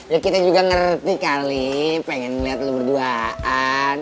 ya kita juga ngerti kali pengen liat lo berduaan